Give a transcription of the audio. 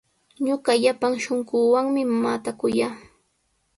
Ñuqa llapan shunquuwanmi mamaata kuyaa.